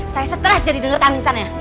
saya stress jadi denger tanya sana ya